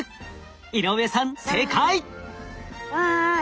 井上さん正解！わい？